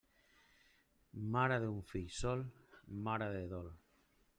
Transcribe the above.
Mare d'un fill sol, mare de dol.